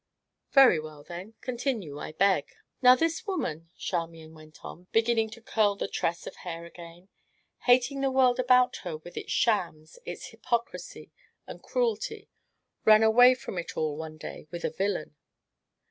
"Very well, then, continue, I beg." "Now, this woman," Charmian went on, beginning to curl the tress of hair again, "hating the world about her with its shams, its hypocrisy, and cruelty, ran away from it all, one day, with a villain."